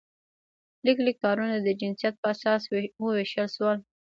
لږ لږ کارونه د جنسیت په اساس وویشل شول.